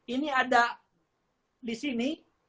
ini ada di sini